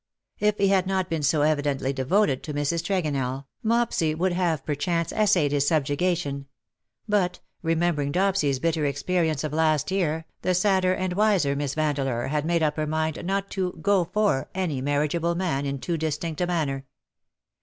If he had not been so evidently devoted to Mrs. Tregonell, Mopsy would have perchance essayed his subjugation ; but, remembering Dopsy^s bitter experience of last year, the sadder and wiser Miss Vandeleur had made up her mind not to ^^ go for^' any marriageable man in too distinct a manner.